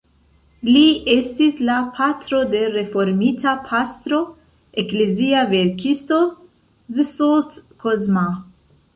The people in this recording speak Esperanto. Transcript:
Li estis la patro de reformita pastro, eklezia verkisto Zsolt Kozma.